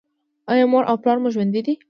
ایا مور او پلار مو ژوندي دي؟